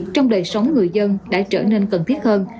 trong đời sống người dân đã trở nên cần thiết hơn